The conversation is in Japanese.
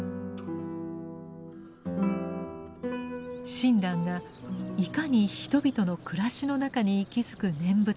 親鸞がいかに人々の暮らしの中に息づく念仏を大切にしたか。